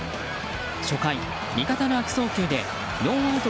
初回、味方の悪送球でノーアウト